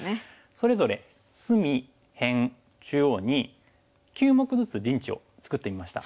それぞれ隅辺中央に９目ずつ陣地を作ってみました。